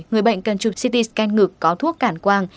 người bệnh cần chụp ct scan ngực có thuốc cản quang